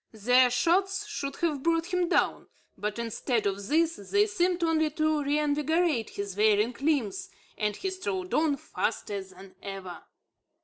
Their shots should have brought him down; but, instead of this, they seemed only to reinvigorate his wearied limbs, and he strode on faster than ever.